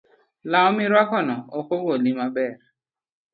Law mirwako no ok ogoli maber